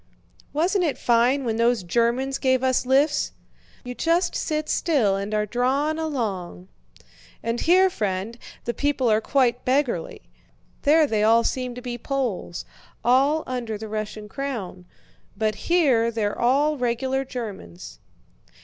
"Wasn't it fine when those Germans gave us lifts! You just sit still and are drawn along." "And here, friend, the people are quite beggarly. There they all seemed to be Poles—all under the Russian crown—but here they're all regular Germans."